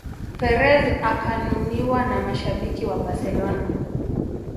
Perez akanuniwa na mashabiki wa Barcelona